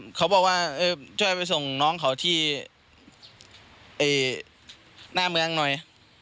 เขาบอกว่าช่วยไปส่งน้องเขาที่หน้าเมืองหน่อย